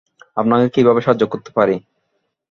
আপনাকে কীভাবে সাহায্য করতে পারি?